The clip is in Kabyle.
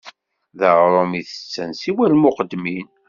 D aɣrum i tetten siwa lmuqeddmin.